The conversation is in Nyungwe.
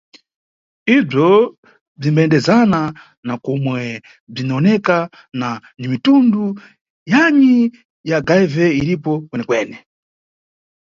Ibzwo bzwimbayendezana na komwe bzwiniwoneka na ni mitundu yanyi ya HIV iripo kwenekwene.